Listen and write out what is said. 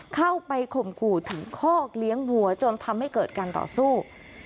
ข่มขู่ถึงคอกเลี้ยงวัวจนทำให้เกิดการต่อสู้